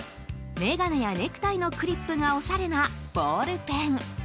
眼鏡やネクタイのグリップがおしゃれなボールペン。